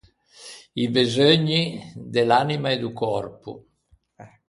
I beseugni de l’anima e do còrpo.